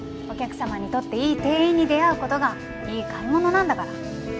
お客様にとっていい店員に出会う事がいい買い物なんだから。